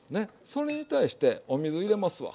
それに対してお水入れますわ。